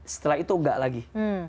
setelah itu enggak lagi